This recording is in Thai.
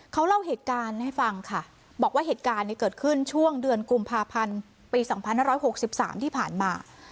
เขาเล่าเหตุการณ์ให้ฟังค่ะบอกว่าเหตุการณ์เนี่ยเกิดขึ้นช่วงเดือนกุมภาพันธ์ปีสองพันห้าร้อยหกสิบสามที่ผ่านมา